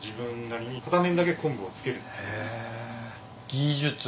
技術。